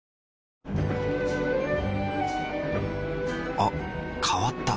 あ変わった。